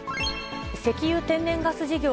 石油・天然ガス事業